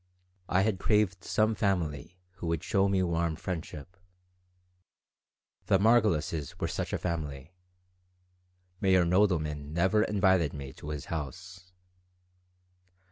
I had craved some family who would show me warm friendship. The Margolises were such a family (Meyer Nodelman never invited me to his house).